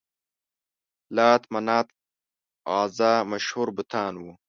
لات، منات، عزا مشهور بتان وو.